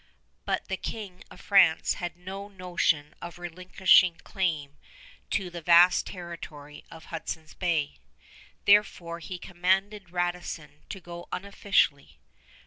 But the King of France had no notion of relinquishing claim to the vast territory of Hudson Bay; therefore he commanded Radisson to go unofficially.